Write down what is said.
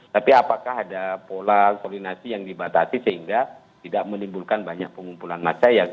tapi apakah ada pola koordinasi yang dibatasi sehingga tidak menimbulkan banyak pengumpulan massa